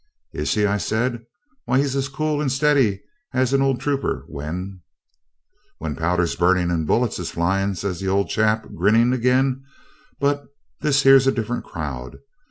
'Is he?' I said. 'Why, he's as cool and steady as an old trooper when ' 'When powder's burning and bullets is flying,' says the old chap, grinning again; 'but this here's a different crowd.